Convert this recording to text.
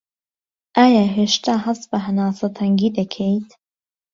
ئایا هێشتا هەست بە هەناسه تەنگی دەکەیت